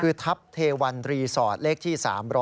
คือทัพเทวันรีสอร์ทเลขที่๓๐